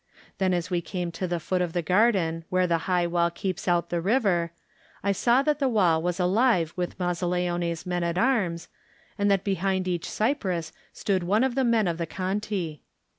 Then as we came to the foot of the garden where the high wall keeps out the river, I saw that the wall was alive with Mazzaleone's men at arms, and that behind each cypress stood one of the men of the Conti.